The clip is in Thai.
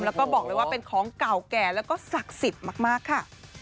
แล้วก็บอกเลยว่าเป็นของเก่าแก่แล้วก็ศักดิ์สิทธิ์มากค่ะ